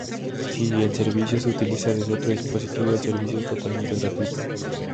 Si el servicio se utiliza desde otro dispositivo, el servicio es totalmente gratuito.